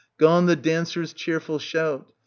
gone the dancer's cheerful shout !